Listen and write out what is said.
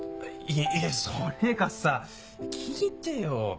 いいえそれがさ聞いてよ。